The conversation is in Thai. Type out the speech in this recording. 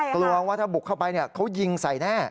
กลัวว่าถ้าบุกเข้าไปเขายิงใส่แน่